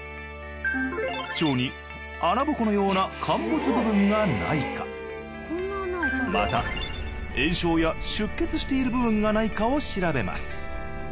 腸に穴ぼこのような陥没部分がないかまた炎症や出血している部分がないかを調べます。